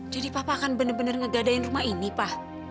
jadi papa akan bener bener ngegadain rumah ini pa